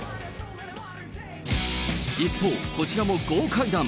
一方、こちらも豪快弾。